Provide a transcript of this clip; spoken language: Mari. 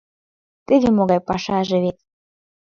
Теве могай пашаже вет!